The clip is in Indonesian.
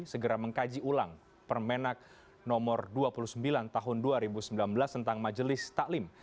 segera mengkaji ulang permenak nomor dua puluh sembilan tahun dua ribu sembilan belas tentang majelis taklim